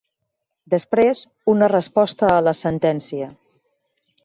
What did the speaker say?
Després, una resposta a la sentència.